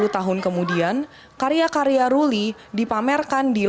dua puluh tahun kemudian karya karya ruli dipamerkan di lombok